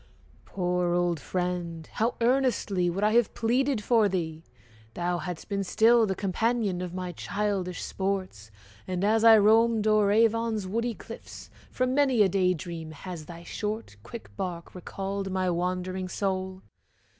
Poor old friend! How earnestly Would I have pleaded for thee! thou hadst been Still the companion of my childish sports: And as I roamed o'er Avon's woody cliffs, From many a day dream has thy short quick bark Recalled my wandering soul.